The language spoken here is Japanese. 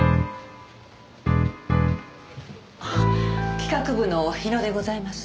企画部の日野でございます。